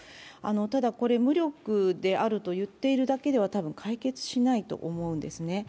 ただこれ無力であるといっているだけでは解決しないと思うんです。